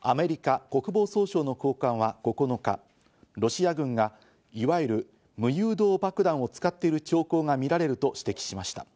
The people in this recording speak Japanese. アメリカ国防総省の高官は９日、ロシア軍がいわゆる無誘導爆弾を使っている兆候がみられると指摘しました。